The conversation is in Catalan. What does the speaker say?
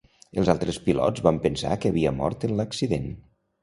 Els altres pilots van pensar que havia mort en l'accident.